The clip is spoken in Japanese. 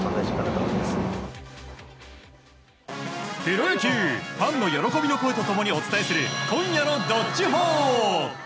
プロ野球、ファンの喜びの声と共にお伝えする今夜の「＃どっちほー」。